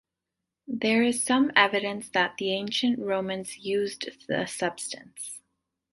There is some evidence that the ancient Romans used the substance.